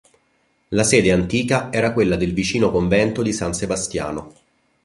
La sede antica era quella del vicino convento di San Sebastiano.